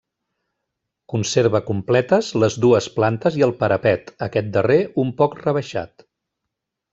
Conserva completes les dues plantes i el parapet, aquest darrer un poc rebaixat.